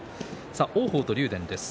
王鵬と竜電です。